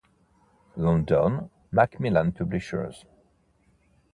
London, Macmillan Publishers